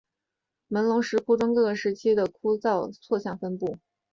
龙门石窟中各个时期的窟龛造像交错分布。